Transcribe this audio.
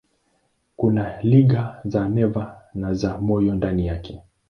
Kuna liga za neva na za moyo ndani yake.